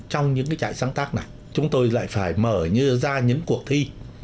trong những cái trại sáng tác này chúng tôi lại phải mở ra những cuộc thi